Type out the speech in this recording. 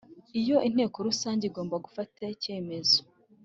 Iyo Inteko Rusange igomba gufata icyemezo